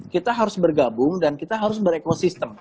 kita harus bergabung dan kita harus berekosistem